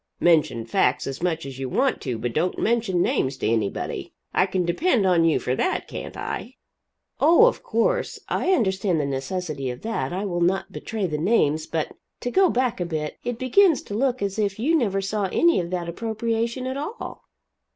Mention facts as much as you want to, but don't mention names to anybody. I can depend on you for that, can't I?" "Oh, of course. I understand the necessity of that. I will not betray the names. But to go back a bit, it begins to look as if you never saw any of that appropriation at all?"